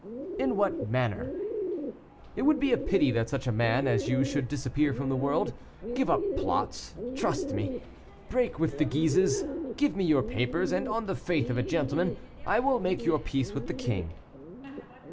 '" "In what manner?" "It would be a pity that such a man as you should disappear from the world; give up plots, trust me, break with the Guises, give me your papers, and, on the faith of a gentleman, I will make your peace with the king."